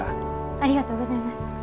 ありがとうございます。